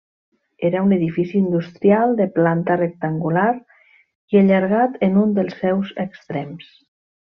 Era un edifici industrial de planta rectangular i allargat en un dels seus extrems.